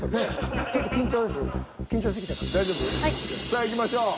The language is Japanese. さあいきましょう。